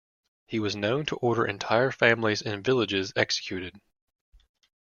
He was known to order entire families and villages executed.